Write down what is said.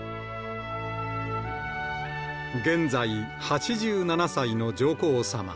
現在８７歳の上皇さま。